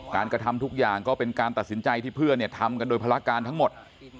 กระทำทุกอย่างก็เป็นการตัดสินใจที่เพื่อนทำกันโดยภารการทั้งหมด